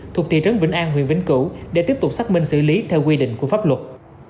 thuộc thị trấn vĩnh an huyện vĩnh cửu để tiếp tục xác minh xử lý theo quy định của pháp luật